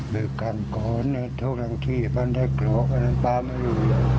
เบื่อกันก่อนทุกทางที่มันได้โกรธมันเปล่าไม่รู้เลย